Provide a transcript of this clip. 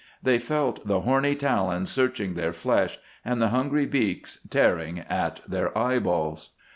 They felt the horny talons searching their flesh and the hungry beaks tearing at their eyeballs.